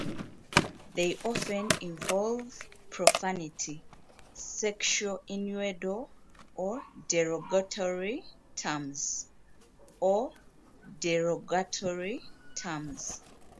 They often involve profanity, sexual innuendo, or derogatory terms.